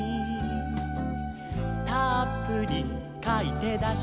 「たっぷりかいてだした」